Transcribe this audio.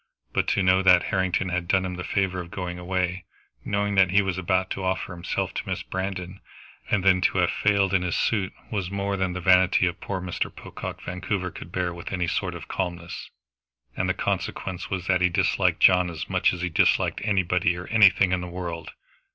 But to know that Harrington had done him the favor of going away, knowing that he was about to offer himself to Miss Brandon, and then to have failed in his suit was more than the vanity of Mr. Pocock Vancouver could bear with any sort of calmness, and the consequence was that he disliked John as much as he disliked anybody or anything in the world.